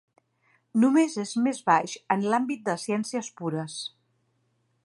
Només és més baix en l'àmbit de ciències pures.